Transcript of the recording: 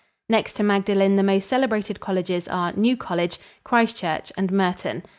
Next to Magdalen, the most celebrated colleges are New College, Christ Church and Merton.